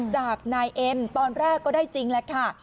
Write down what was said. จากนายเอ็มตอนแรกก็ได้จริงแหละค่ะ